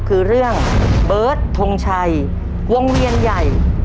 คือเรื่องเบิร์ตทงชัยวงเวียนใหญ่